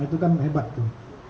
itu kan hebat tuh